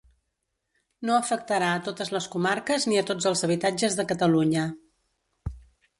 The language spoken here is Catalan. No afectarà a totes les comarques ni a tots els habitatges de Catalunya.